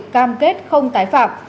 cam kết không tái phạm